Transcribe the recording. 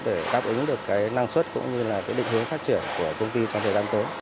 để đáp ứng được cái năng suất cũng như là cái định hướng phát triển của công ty trong thời gian tới